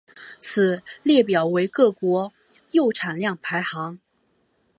此列表为各国铀产量排行。